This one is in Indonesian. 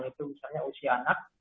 misalnya usia anak